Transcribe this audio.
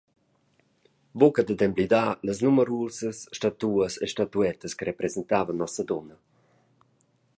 Buca dad emblidar las numerusas statuas e statuettas che representavan Nossadunna.